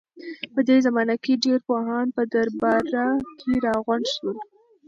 په دې زمانه کې ډېر پوهان په درباره کې راغونډ شول.